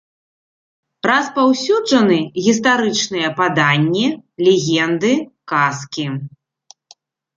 Распаўсюджаны гістарычныя паданні, легенды, казкі.